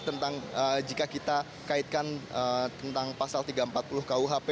tentang jika kita kaitkan tentang pasal tiga ratus empat puluh kuhp